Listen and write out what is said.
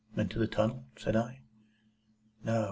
"Into the tunnel?" said I. "No.